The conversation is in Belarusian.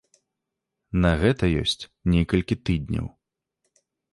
На гэта ёсць некалькі тыдняў.